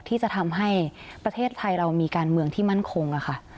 ที่จะทำให้ประเทศไทยเรามีการเมืองที่มั่นคงค่ะ